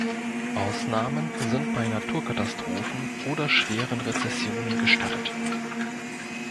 Ausnahmen sind bei Naturkatastrophen oder schweren Rezessionen gestattet.